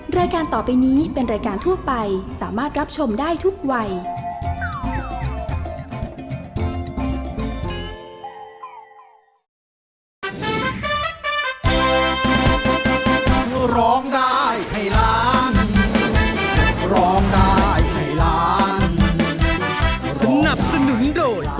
รายการต่อไปนี้เป็นรายการทั่วไปสามารถรับชมได้ทุกวัย